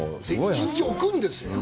一日置くんですよ。